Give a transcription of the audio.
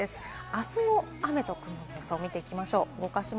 あすの雨と雲の予想を見ていきます。